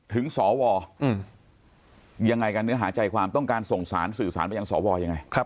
ถึงสวยังไงกันเนื้อหาใจความต้องการส่งสารสื่อสารไปยังสวยังไง